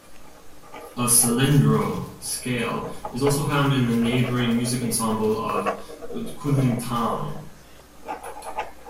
A "salendro" scale is also found in the neighboring musical ensemble of Kulintang.